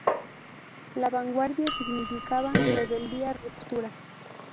La vanguardia significaba rebeldía, ruptura.